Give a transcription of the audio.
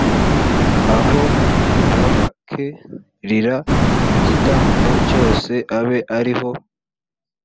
aho bab k rira igitambo cyoswa abe ari ho